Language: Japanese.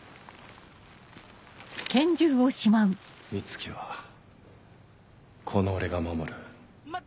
美月はこの俺が守る。